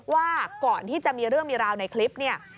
ว่าก่อนที่จะมีเรื่องมีราวในคลิปเนี่ย